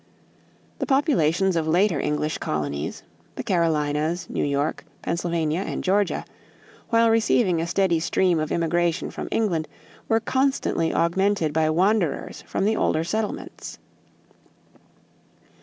The populations of later English colonies the Carolinas, New York, Pennsylvania, and Georgia while receiving a steady stream of immigration from England, were constantly augmented by wanderers from the older settlements.